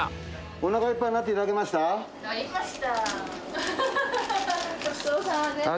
おなかいっぱいになっていたなりました。